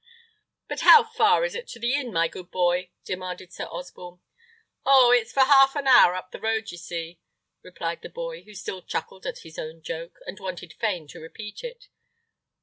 "But how far is it to the inn, my good boy?" demanded Sir Osborne. "Oh! it's for half an hour up the road, ye see," replied the boy, who still chuckled at his own joke, and wanted fain to repeat it.